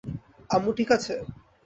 আম্মু ঠিক আছে?